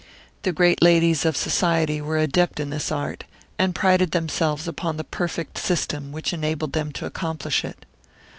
The great ladies of Society were adepts in this art, and prided themselves upon the perfect system which enabled them to accomplish it.